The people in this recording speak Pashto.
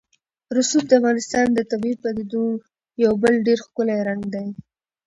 رسوب د افغانستان د طبیعي پدیدو یو بل ډېر ښکلی رنګ دی.